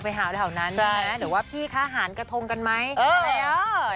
ไปหาว่าแถวนั้นด้วยนะหรือว่าพี่คะหาหานกระทงกันไหมอะไรอ้อ